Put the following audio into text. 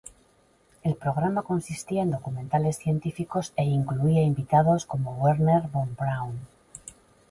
El programa consistía en documentales científicos e incluía invitados como Werner Von Braun.